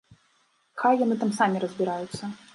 Хай яны там самі разбіраюцца.